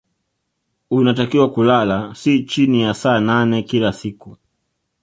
Unatakiwa kulala si chini ya saa nane kila siku